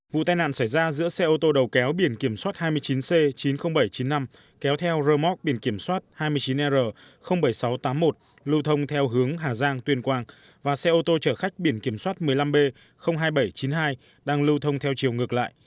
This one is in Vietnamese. vụ tai nạn xảy ra giữa xe ô tô đầu kéo biển kiểm soát hai mươi chín c chín mươi nghìn bảy trăm chín mươi năm kéo theo rơ móc biển kiểm soát hai mươi chín r bảy nghìn sáu trăm tám mươi một lưu thông theo hướng hà giang tuyên quang và xe ô tô chở khách biển kiểm soát một mươi năm b hai nghìn bảy trăm chín mươi hai đang lưu thông theo chiều ngược lại